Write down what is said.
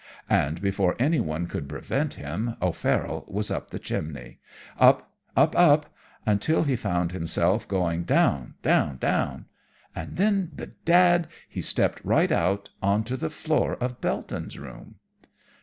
And before anyone could prevent him O'Farroll was up the chimney. Up, up, up, until he found himself going down, down, down; and then bedad he stepped right out on to the floor of Belton's room.